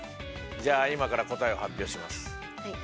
じゃあ今から答えを発表します。